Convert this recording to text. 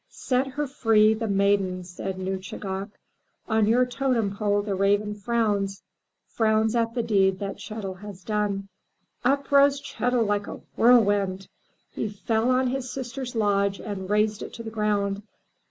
*' Set her free — the Maiden," said Nuschagak. " On your totem pole the raven frowns — frowns at the deed that Chet'l has done." Up rose Chet*l like a whirlwind! He fell on his sister's lodge and razed it to the ground.